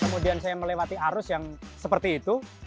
kemudian saya melewati arus yang seperti itu